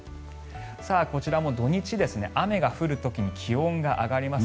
こちらも土日、雨が降る時に気温が上がります。